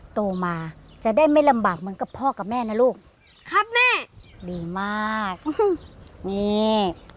โตมาจะได้ไม่ลำบากเหมือนกับพ่อกับแม่นะลูกครับแม่ดีมากนี่